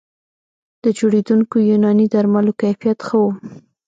د جوړېدونکو یوناني درملو کیفیت ښه و